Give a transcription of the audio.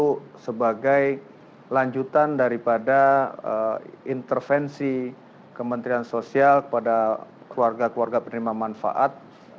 itu sebagai lanjutan daripada intervensi kementerian sosial kepada keluarga keluarga penerima manfaat